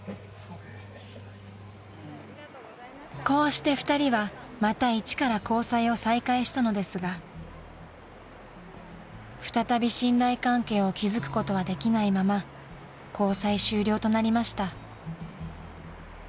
［こうして２人はまた一から交際を再開したのですが再び信頼関係を築くことはできないまま交際終了となりました］